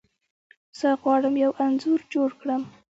زه غواړم یو انځور جوړ کړم.